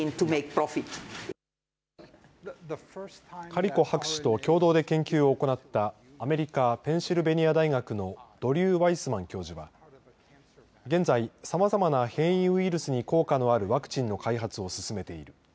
カリコ博士と共同で研究を行ったアメリカ、ペンシルベニア大学のドリュー・ワイスマン教授は現在、さまざまな変異ウイルスに効果のあるワクチンの開発を進めている。